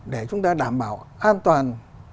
để chúng ta đảm bảo an toàn